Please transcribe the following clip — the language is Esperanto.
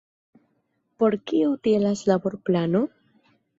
Por kio utilas laborplano?